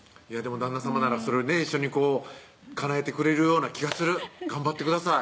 旦那さまならそれをね一緒にかなえてくれるような気がする頑張ってください